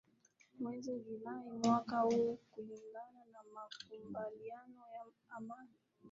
mwezi julai mwaka huu kulingana na makubaliano ya amani